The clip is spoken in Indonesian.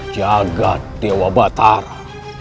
jagat dewa batara